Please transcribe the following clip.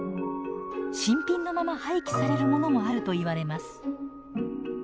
新品のまま廃棄されるものもあるといわれます。